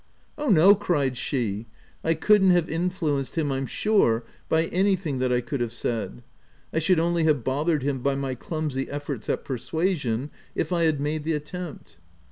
"Oh, no! v cried she, "I couldn't have in fluenced him, I'm sure, by anything that I could have said. I should only have bothered him by my clumsy efforts at persuasion, if I had made the attempt."